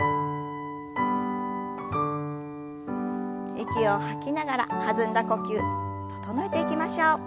息を吐きながら弾んだ呼吸整えていきましょう。